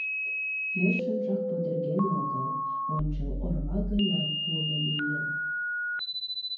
— Йӧршынжак пудырген огыл, ончыл орва гына пуле лийын.